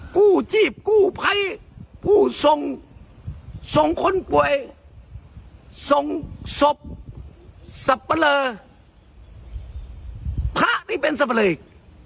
กู้จีบกู้ไภพูดส่งส่งคนป่วยส่งศพสับเบลอพระที่เป็นสับเบลอิก